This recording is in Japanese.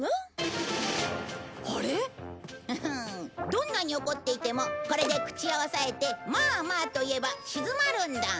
どんなに怒っていてもこれで口を押さえて「まあまあ」と言えば静まるんだ。